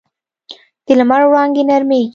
د لمر وړانګې نرمېږي